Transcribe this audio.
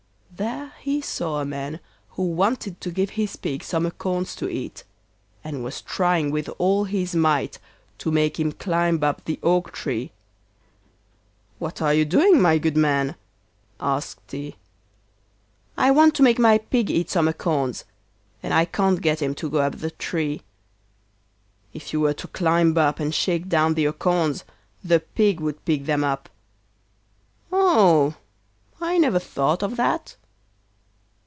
There he saw a man who wanted to give his pig some acorns to eat, and was trying with all his might to make him climb up the oak tree. 'What are you doing, my good man?' asked he. 'I want to make my pig eat some acorns, and I can't get him to go up the tree.' 'If you were to climb up and shake down the acorns the pig would pick them up.' 'Oh, I never thought of that.